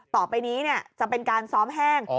ต่อไปนี้จะเป็นการซ้อมแห้ง